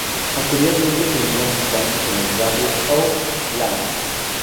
Anteriormente tenía su campus en el barrio Oak Lawn.